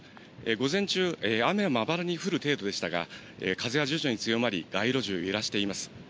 午前中、雨はまばらに降る程度でしたが、風が徐々に強まり、街路樹を揺らしています。